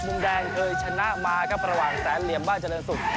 มุมแดงเคยชนะมาครับระหว่างแสนเหลี่ยมบ้านเจริญศุกร์